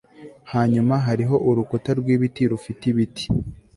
Hanyuma hariho urukuta rwibiti rufite ibiti